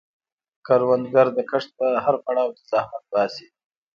کروندګر د کښت په هر پړاو کې زحمت باسي